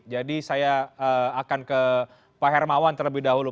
jadi saya akan ke pak hermawan terlebih dahulu